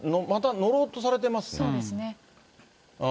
乗ろうとされてますね。